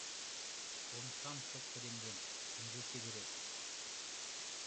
Омсам чоткыдемдем — ынже сигыре...